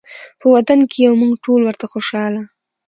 په وطن کې یو مونږ ټول ورته خوشحاله